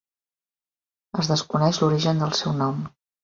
Es desconeix l'origen del seu nom.